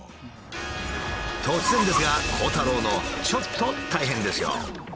突然ですが鋼太郎のちょっと大変ですよ。